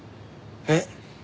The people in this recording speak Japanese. えっ？